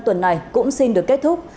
tuần này cũng xin được kết thúc